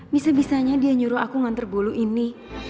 bisa bisanya dia nyuruh aku nganter bulu ini